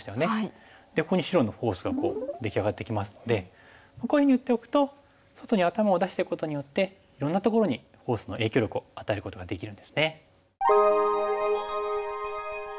ここに白のフォースがこう出来上がってきますのでこういうふうに打っておくと外に頭を出していくことによっていろんなところにフォースの影響力を与えることができるんですね。